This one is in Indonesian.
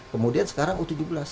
kemudian sekarang u tujuh belas